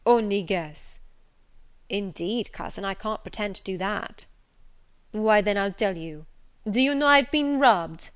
only guess." "Indeed, cousin, I can't pretend to do that." "Why then I'll tell you. Do you know I've been robbed!